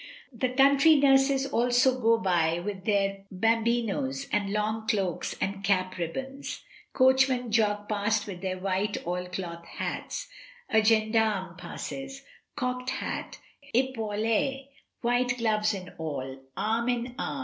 The country nurses also go by with their bambinos and long cloaks and cap ribbons; coachmen jog past with their white oil cloth hats; a gendarme passes, cocked hat, epaulettes, white gloves and all, arm in arm 4* 52 MRS.